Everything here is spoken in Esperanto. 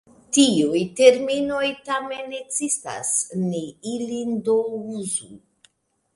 Tiuj terminoj tamen ekzistas, ni ilin do uzu.